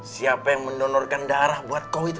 siapa yang mendonorkan darah buat kau itu